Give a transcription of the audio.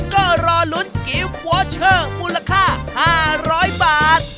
ก็รอลุ้นกิฟต์วอเชอร์มูลค่า๕๐๐บาท